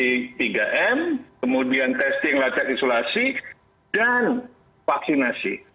tadi kombinasi tiga m kemudian testing lancet isolasi dan vaksinasi